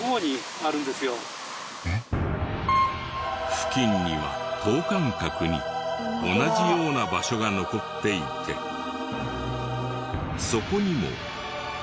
付近には等間隔に同じような場所が残っていてそこにも。